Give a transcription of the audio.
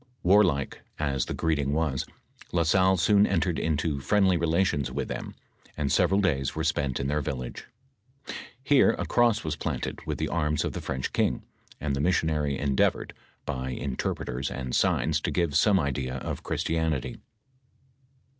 Warlike as the greeting was, La Salle soon entered into friendly relations with them, and several days were spent in their village. Here a cross was planted with the arms of the French king, and the missionary endeavored, by interpreters and signs to give some idea of Christianity.